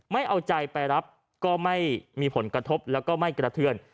ไม่เอาใจไปรับก็ไม่มีผลกระทบแล้วก็ไม่กระเทือน